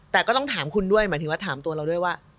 แต่ก็ต้องถามคุณด้วยหมายถึงว่าถามตัวเราด้วยว่า